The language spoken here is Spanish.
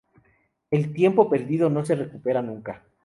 El tiempo perdido no se recupera nunca